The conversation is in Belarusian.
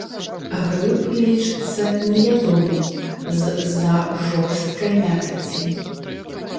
Грыб лічыцца неядомым з-за жорсткай мякаці.